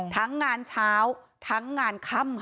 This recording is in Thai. ทั้งงานเช้าทั้งงานค่ำ